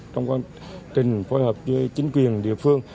trong quá trình phối hợp với chính quyền địa phương